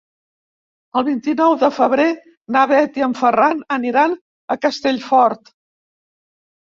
El vint-i-nou de febrer na Bet i en Ferran aniran a Castellfort.